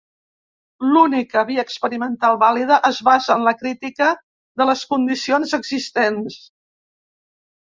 L'única via experimental vàlida es basa en la crítica de les condicions existents.